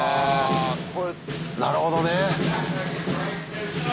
これなるほどね。